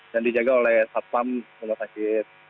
dan dijaga oleh satpam rumah sakit